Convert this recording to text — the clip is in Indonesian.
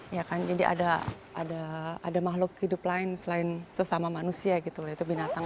ya kan jadi ada makhluk hidup lain selain sesama manusia gitu yaitu binatang